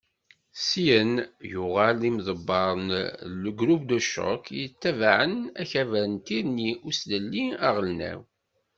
Syin, yuɣal d imḍebber n "Le groupe de choc" yettabaɛen akabar n Tirni n uslelli aɣelnaw.